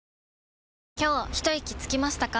今日ひといきつきましたか？